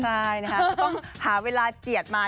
ใช่นะคะก็ต้องหาเวลาเจียดมา